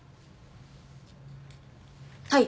はい。